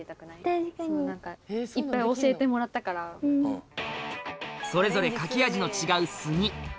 なんか、いっぱい教えてもらったそれぞれ書き味の違う炭。